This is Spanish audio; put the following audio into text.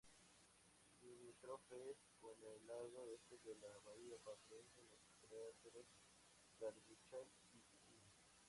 Limítrofe con el lado este de la bahía aparecen los cráteres Carmichael y Hill.